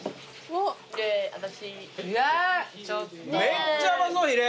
めっちゃうまそうひれ。